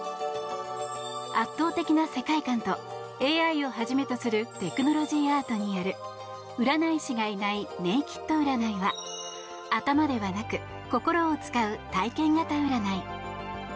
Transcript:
圧倒的な世界観とＡＩをはじめとするテクノロジーアートによる占い師がいないＮＡＫＥＤＵＲＡＮＡＩは頭ではなく心を使う体験型占い。